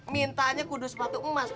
mintanya kudu sepatu emas